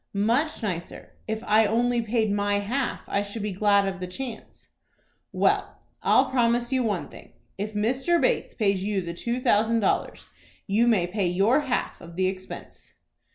"Much nicer. If I only paid my half, I should be glad of the chance." "Well, I'll promise you one thing. If Mr. Bates pays you the two thousand dollars, you may pay your half of the expense."